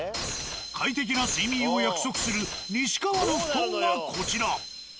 快適な睡眠を約束する「西川」の布団がこちら。